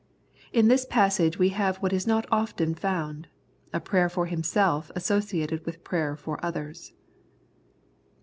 In this passage we have what is not often found, a prayer for himself associated with prayer for others.